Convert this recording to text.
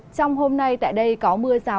trong hôm nay tại đây có mưa rào